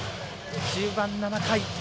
終盤、７回。